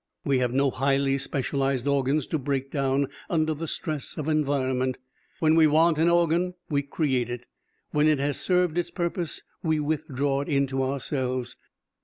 We have no highly specialized organs to break down under the stress of environment. When we want an organ, we create it. When it has served its purpose, we withdraw it into ourselves.